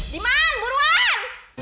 teman saya sering selalu kasih suara